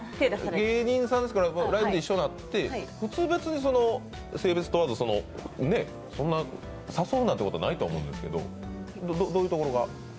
芸人さんですからライブで一緒になって普通、別に性別問わず、そんな誘うなんてことないと思うんですけど、どういうところが？